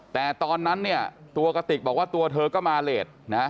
แต่ตอนนั้นตัวกติกบอกว่าตัวเธอก็มาเรท